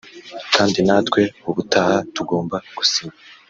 Kandi natwe ubutaha tugomba gusinya